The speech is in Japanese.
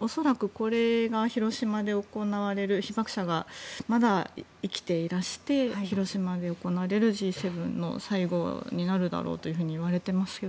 恐らくこれが被爆者がまだ生きていらして広島で行われるＧ７の最後になるだろうといわれています。